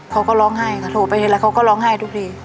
เขาก็ร้องไห้ค่ะโทรไปทีแล้วเขาก็ร้องไห้ทุกที